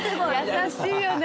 優しいよね。